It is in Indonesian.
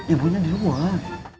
ibu nya di rumah